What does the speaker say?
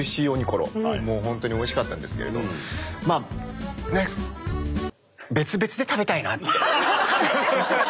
コロもう本当においしかったんですけれどまあねえ別々で食べたいなって。